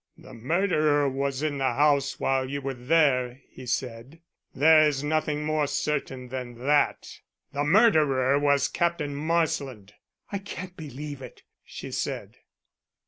"The murderer was in the house while you were there," he said. "There is nothing more certain than that. The murderer was Captain Marsland." "I can't believe it," she said.